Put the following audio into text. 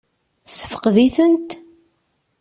Tessefqed-itent?